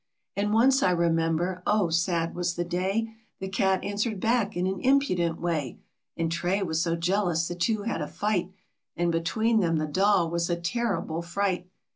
And once, I remember, oh, sad was the day, The cat answered back in an impudent way, And Tray was so jealous, the two had a fight, And between them the doll was a terrible fright.